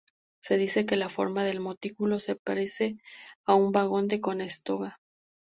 Se dice que la forma del montículo se parece a un wagon de Conestoga.